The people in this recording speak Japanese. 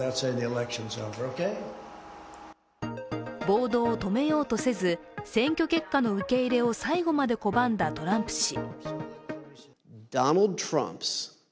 暴動を止めようとせず選挙結果の受け入れを最後まで拒んだトランプ氏。